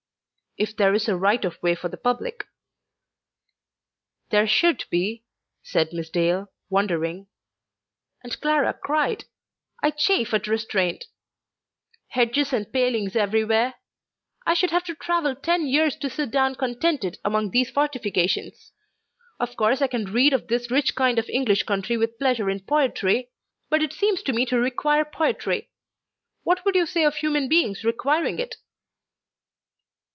"If there is a right of way for the public." "There should be," said Miss Dale, wondering; and Clara cried: "I chafe at restraint: hedges and palings everywhere! I should have to travel ten years to sit down contented among these fortifications. Of course I can read of this rich kind of English country with pleasure in poetry. But it seems to me to require poetry. What would you say of human beings requiring it?"